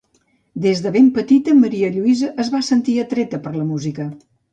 Des de ben petita Maria Lluïsa es va sentir atreta per la música.